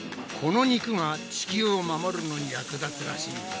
この肉が地球を守るのに役立つらしい。